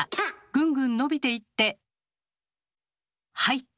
ぐんぐん伸びていって入った！